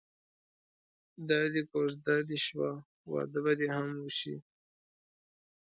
دادی کوژده دې وشوه واده به دې هم وشي.